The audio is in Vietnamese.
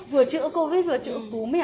vừa chữa covid vừa chữa cúm ấy à